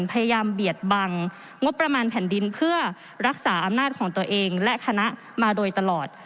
เบียดบังงบประมาณแผ่นดินเพื่อรักษาอำนาจของตัวเองและคณะมาโดยตลอด